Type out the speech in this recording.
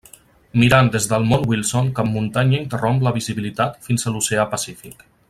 Mirant des del Mont Wilson cap muntanya interromp la visibilitat fins a l'Oceà Pacífic.